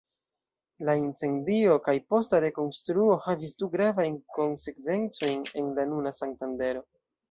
La incendio kaj posta rekonstruo havis du gravajn konsekvencojn en la nuna Santandero.